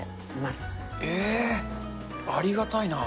ありがたいな。